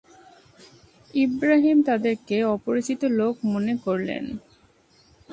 ইবরাহীম তাদেরকে অপরিচিত লোক মনে করলেন।